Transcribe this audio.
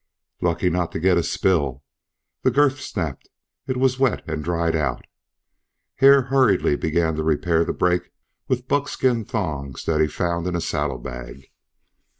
"Lucky not to get a spill! The girth snapped. It was wet, and dried out." Hare hurriedly began to repair the break with buckskin thongs that he found in a saddle bag.